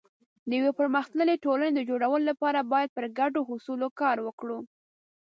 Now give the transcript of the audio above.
د یو پرمختللي ټولنې د جوړولو لپاره باید پر ګډو اصولو کار وکړو.